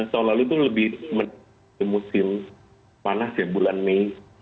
tahun lalu itu lebih musim panas ya bulan mei